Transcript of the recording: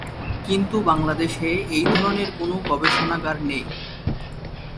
কিন্তু বাংলাদেশে এই ধরনের কোনো গবেষণাগার নেই।